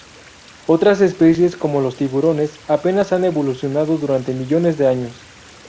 Otras especies, como los tiburones, apenas han evolucionado durante millones de años.